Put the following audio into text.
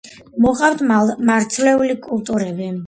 მოჰყავთ მარცვლეული კულტურები.